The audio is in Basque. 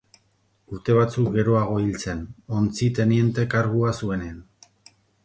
Urte batzuk geroago hil zen, ontzi teniente kargua zuenean.